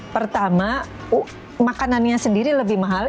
pertama makanannya sendiri lebih mahal